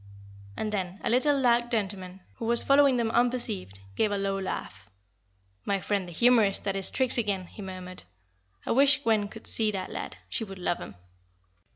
And then a little, dark gentleman, who was following them unperceived, gave a low laugh. "My friend the humorist at his tricks again," he murmured. "I wish Gwen could see that lad; she would love him."